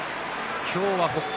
今日は北勝